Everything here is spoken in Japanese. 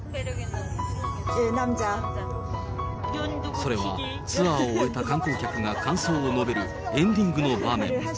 それはツアーを終えた観光客が感想を述べるエンディングの場面。